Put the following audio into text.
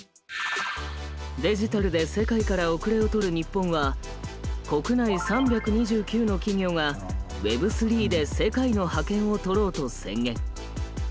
デジタルで世界から後れを取る日本は国内３２９の企業がＷｅｂ３で世界の覇権を取ろうと宣言。